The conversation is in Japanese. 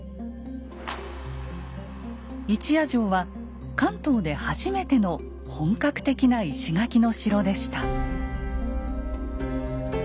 一夜城は関東で初めての本格的な石垣の城でした。